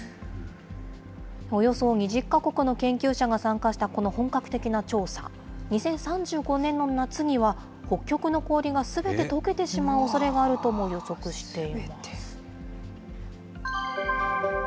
およそ２０か国の研究者が参加したこの本格的な調査、２０３５年の夏には、北極の氷がすべてとけてしまうおそれがあるとも予測しているんです。